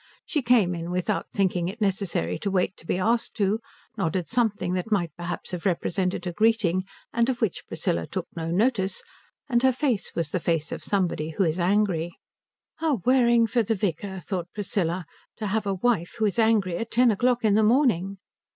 She came in without thinking it necessary to wait to be asked to, nodded something that might perhaps have represented a greeting and of which Priscilla took no notice, and her face was the face of somebody who is angry. "How wearing for the vicar," thought Priscilla, "to have a wife who is angry at ten o'clock in the morning."